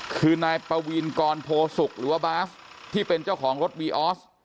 คือนายปวีนกรโพสุกหรือว่าบาฟที่เป็นเจ้าของรถวีออส